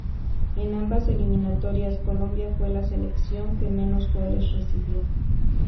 En ambas eliminatorias, Colombia fue la selección que menos goles recibió.